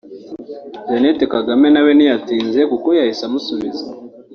Jeannette Kagame na we ntiyatinze kuko yahise amusubiza